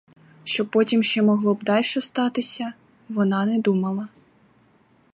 Що потім ще могло б дальше статися, вона не думала.